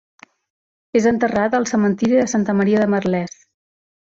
És enterrat al cementiri de Santa Maria de Merlès.